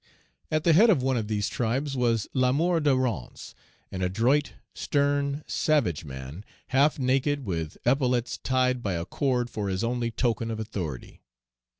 At the head of one of these tribes was Lamour de Rance, an adroit, stern, savage man, half naked, with epaulettes tied by a cord for his only token of authority.